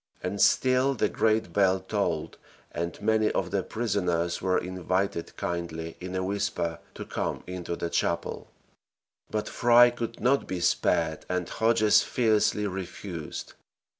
And still the great bell tolled, and many of the prisoners were invited kindly in a whisper to come into the chapel; but Fry could not be spared and Hodges fiercely refused.